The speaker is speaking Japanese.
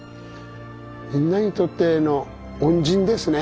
みんなにとっての恩人ですね。